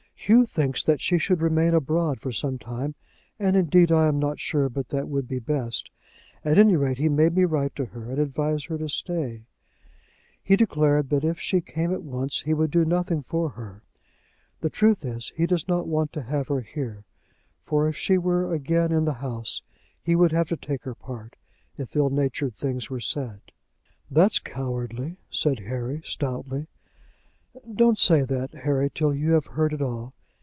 Hugh thinks that she should remain abroad for some time, and indeed I am not sure but that would be best. At any rate he made me write to her, and advise her to stay. He declared that if she came at once he would do nothing for her. The truth is, he does not want to have her here, for if she were again in the house he would have to take her part, if ill natured things were said." "That's cowardly," said Harry, stoutly. "Don't say that, Harry, till you have heard it all.